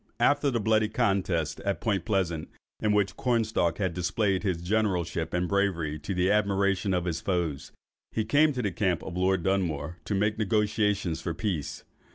After the bloody contest at Point Pleasant, in which Cornstalk had displayed his generalship and bravery, to the admiration of his foes, he came in to the camp of Lord Dunmore, to make negotiations for peace.